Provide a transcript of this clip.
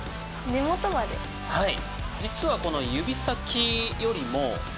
はい。